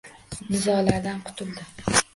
Nizolardan qutuldi.